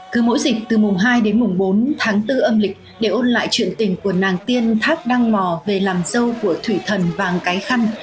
cứ mỗi dịch từ mùng hai đến mùng bốn tháng bốn âm lịch để ôn lại truyền tình của nàng tiên thác đăng mò về làm dâu của thủy thần vàng cái khăn